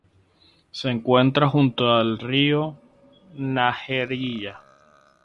Se encuentra junto al río Najerilla.